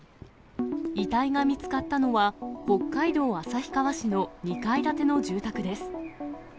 遺体が見つかったのは、北海道旭川市の２階建ての住宅です。